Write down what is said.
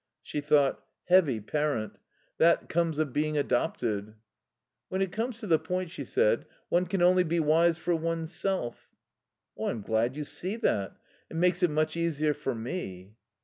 She thought: "Heavy parent. That comes of being adopted." "When it comes to the point," she said, "one can only be wise for oneself." "I'm glad you see that. It makes it much easier for me."